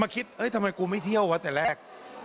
คิดทำไมกูไม่เที่ยววะแต่แรก